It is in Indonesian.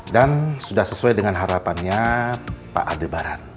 dan sudah sesuai dengan harapannya pak alebaran